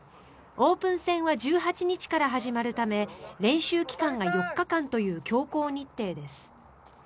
オープン戦は１８日から始まるため練習期間が４日間という強行日程です。